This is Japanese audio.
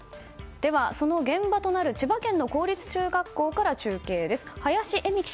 ではその現場となる千葉県の公立中学校から中継です。